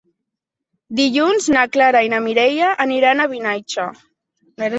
Dilluns na Clara i na Mireia aniran a Vinaixa.